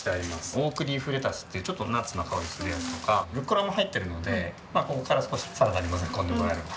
オークリーフレタスっていうちょっとナッツの香りするやつとかルッコラも入ってるのでここから少しサラダに混ぜ込んでもらえれば。